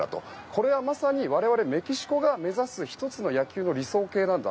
これはまさに我々メキシコが目指す１つの野球の理想形なんだ。